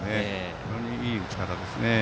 非常にいい打ち方ですね。